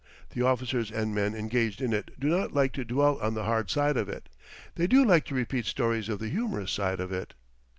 The officers and men engaged in it do not like to dwell on the hard side of it. They do like to repeat stories of the humorous side of it.